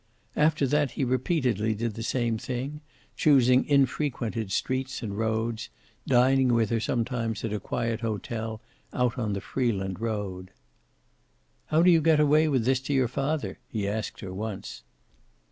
After that he repeatedly did the same thing, choosing infrequented streets and roads, dining with her sometimes at a quiet hotel out on the Freeland road. "How do you get away with this to your father?" he asked her once.